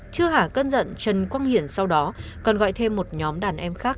chưa hả cân dận trần quang hiển sau đó còn gọi thêm một nhóm đàn em khác